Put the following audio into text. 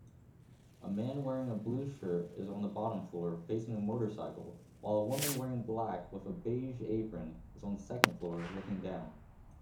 A man wearing a blue shirt is on the bottom floor facing a motorcycle while a woman wearing black with a beige apron is on the second floor looking down